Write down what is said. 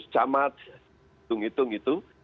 tujuh ribu seratus camat hitung hitung itu